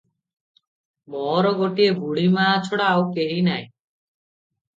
“ମୋର ଗୋଟିଏ ବୁଢ଼ୀମାଆ ଛଡ଼ା ଆଉ କେହି ନାହିଁ ।”